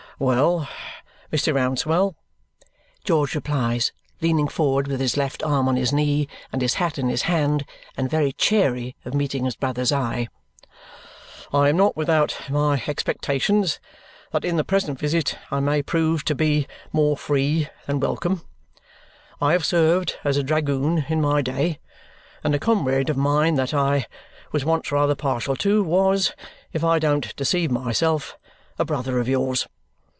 "Well, Mr. Rouncewell," George replies, leaning forward with his left arm on his knee and his hat in his hand, and very chary of meeting his brother's eye, "I am not without my expectations that in the present visit I may prove to be more free than welcome. I have served as a dragoon in my day, and a comrade of mine that I was once rather partial to was, if I don't deceive myself, a brother of yours.